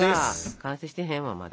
完成してへんわまだ。